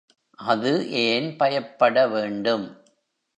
அது ஏன் பயப்படவேண்டும்?